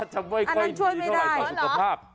อ๋อหรอ